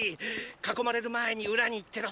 囲まれる前に裏に行ってろ。